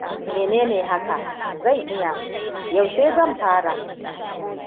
Mene ne haka, zan iya! Yaushe zan fara?